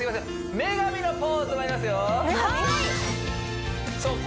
女神のポーズまいりますよ女神？